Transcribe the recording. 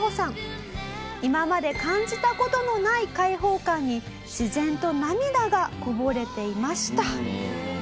今まで感じた事のない解放感に自然と涙がこぼれていました。